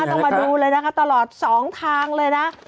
ต้องมาดูเลยนะคะตลอด๒ทางเลยนะ